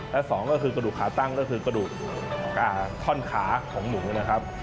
และสองก็คือกระดูกขาตั้งก็คือกระดูกท่อนขาของหมูนะครับ